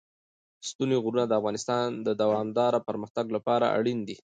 ستوني غرونه د افغانستان د دوامداره پرمختګ لپاره اړین دي.